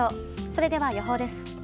それでは予報です。